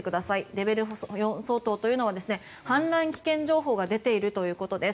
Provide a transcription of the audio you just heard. レベル４相当というのは氾濫危険情報が出ているということです。